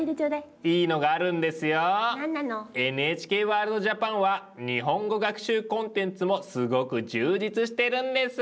「ＮＨＫワールドＪＡＰＡＮ」は日本語学習コンテンツもすごく充実してるんです。